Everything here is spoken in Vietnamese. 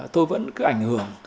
tôi vẫn cứ ảnh hưởng